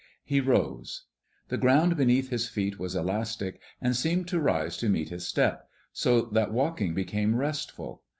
He rose. The ground beneath his feet was elastic, and seemed to rise to meet his step, so that walking became restful.